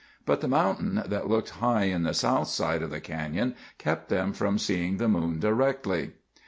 But the mountain that looked high on the south side of the canyon kept them from seeing the moon directly.